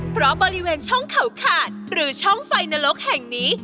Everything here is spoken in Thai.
เพราะบริเวณช่องเขาขาดหรือช่องไฟนรกแห่งนี้